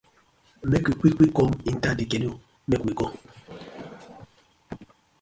Mek yu quick quick kom enter dey canoe mek we go.